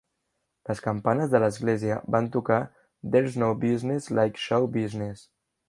Les campanes de l'església van tocar "There's No Business Like Show Business".